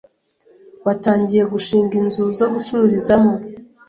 batangiye gushinga inzu zo gucururizamo